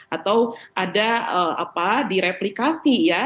atau ada di replikasi ya